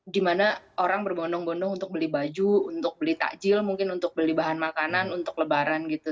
gimana orang berbondong bondong untuk beli baju untuk beli takjil mungkin untuk beli bahan makanan untuk lebaran gitu